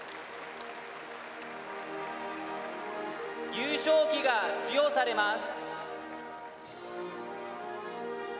優勝旗が授与されます。